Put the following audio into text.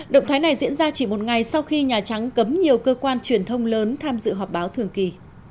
động thái này diễn ra chỉ một ngày sau khi nhà trắng cấm nhiều cơ quan truyền thông lớn tham dự họp báo thường kỳ